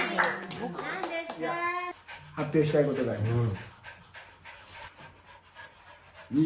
発表したいことがあります。